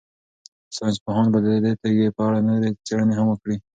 ساینس پوهان به د دې تیږې په اړه نورې څېړنې هم وکړي.